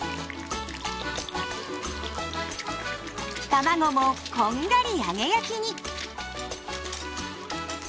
たまごもこんがり揚げ焼きに。